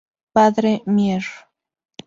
Padre Mier.